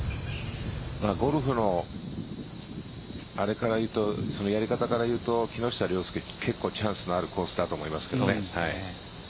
ゴルフのやり方からいうと木下稜介は結構チャンスのあるコースだと思いますけどね。